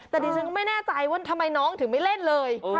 แต่ดิฉันก็ไม่แน่ใจว่าทำไมน้องถึงไม่เล่นเลย